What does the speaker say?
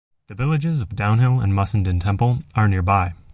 The villages of Downhill and Mussenden Temple are nearby.